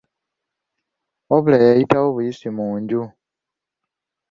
Wabula yayitawo buyisi mu nju.